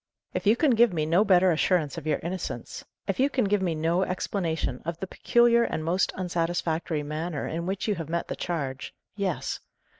"If you can give me no better assurance of your innocence if you can give me no explanation of the peculiar and most unsatisfactory manner in which you have met the charge yes.